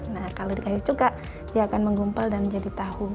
nah kalau dikasih cuka dia akan menggumpal dan menjadi tahu